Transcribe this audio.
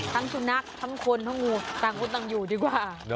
ทั้งชูนักคนงูต่างอยู่ดีกว่า